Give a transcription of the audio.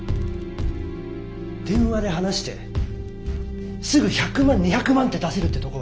電話で話してすぐ１００万２００万って出せるってとこはよ